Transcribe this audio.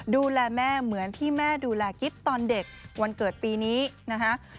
ดูแลแม่เหมือนที่แม่ดูแลกิ๊บตอนเด็กวันเกิดปีนี้นะฮะ